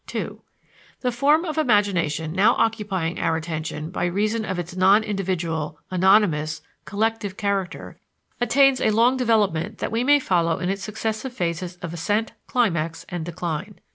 II The form of imagination now occupying our attention by reason of its non individual, anonymous, collective character, attains a long development that we may follow in its successive phases of ascent, climax, and decline.